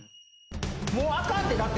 もうあかんてだって。